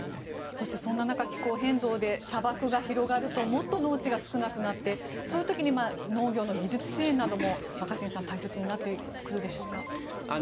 そして、そんな中気候変動で砂漠が広がるともっと農地が少なくなってそういう時に農業の技術支援なども若新さん大切になってくるでしょうか。